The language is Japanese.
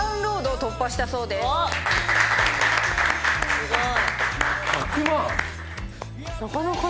すごい。